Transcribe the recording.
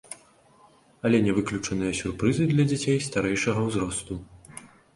Але не выключаныя сюрпрызы і для дзяцей старэйшага ўзросту.